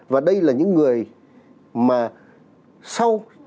và đây là những người mà sau